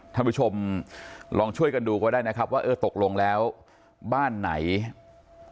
ท่านผู้ชมลองช่วยกันดูก็ได้นะครับว่าเออตกลงแล้วบ้านไหน